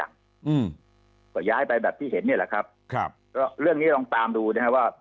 ก็ย้ายไปแบบที่เห็นเนี่ยล่ะครับเรื่องนี้ลองตามดูนะฮะว่า